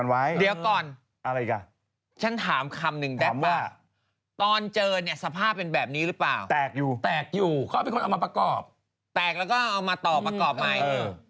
แตกแล้วก็เอามาต่อประกอบใหม่